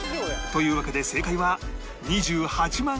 というわけで正解は２８万円でした